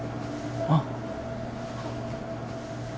あっ。